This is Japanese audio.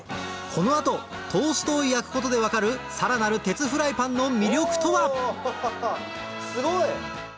この後トーストを焼くことで分かるさらなる鉄フライパンの魅力とは？